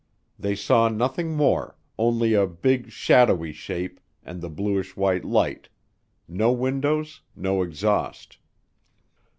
They saw nothing more, only a big "shadowy shape" and the bluish white light no windows, no exhaust.